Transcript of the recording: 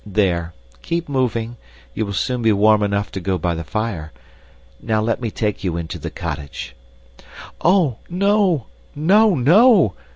There, keep moving, you will soon be warm enough to go by the fire. Now let me take you into the cottage." "Oh, no! no!